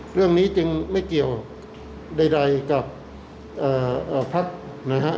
เรื่องนี้จึงไม่เกี่ยวใดกับพักนะฮะ